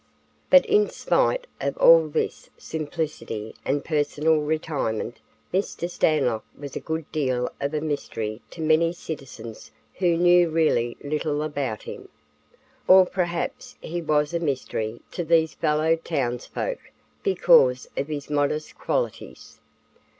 But in spite of all this simplicity and personal retirement Mr. Stanlock was a good deal of a mystery to many citizens who knew really little about him. Or perhaps he was a mystery to these fellow townsfolk because of his modest qualities.